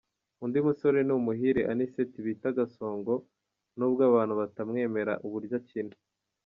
Undi musore ni Muhire Anicet bita Gasongo nubwo abantu batamwemera uburyo akina.